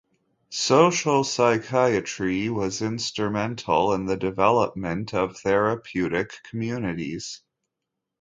Social psychiatry was instrumental in the development of therapeutic communities.